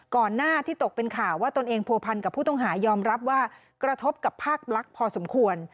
ก่อนหน้าที่ตกเป็นข่าวว่าตนเองผัวพันกับผู้ต้องหายอมรับว่ากระทบกับภาคลักษณ์พอสมควร